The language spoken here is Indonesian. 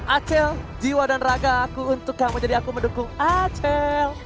aceh jiwa dan raga aku untuk kamu jadi aku mendukung aceh